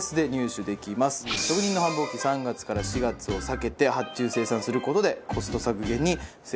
職人の繁忙期３月から４月を避けて発注生産する事でコスト削減に成功しました。